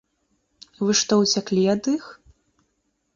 Вы што, уцяклі ад іх?